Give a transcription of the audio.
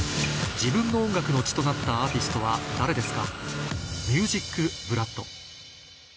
自分の音楽の血となったアーティストは誰ですか？